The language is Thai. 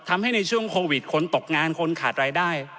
ในช่วงโควิดคนตกงานคนขาดรายได้